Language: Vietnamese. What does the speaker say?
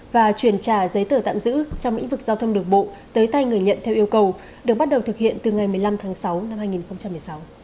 và truyền trả giấy tờ tạm giữ trong lĩnh vực giao thông đường bộ tới tay người nhận theo yêu cầu được bắt đầu thực hiện từ ngày một mươi năm tháng sáu năm hai nghìn một mươi sáu